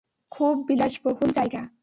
খুব বিলাসবহুল জায়গা।